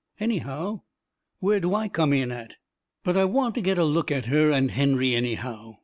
Anyhow, where do I come in at?" But I want to get a look at her and Henry, anyhow.